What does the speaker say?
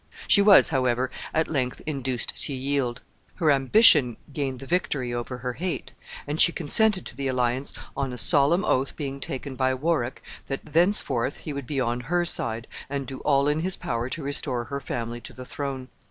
She was, however, at length induced to yield. Her ambition gained the victory over her hate, and she consented to the alliance on a solemn oath being taken by Warwick that thenceforth he would be on her side, and do all in his power to restore her family to the throne.